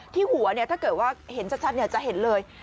ที่หัวถ้าเกิดว่าเห็นชัดจะเห็นเลย